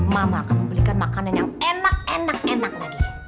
mama akan membelikan makanan yang enak enak enak lagi